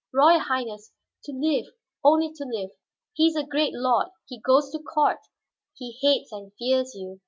"Royal Highness, to live, only to live. He is a great lord, he goes to court; he hates and fears you.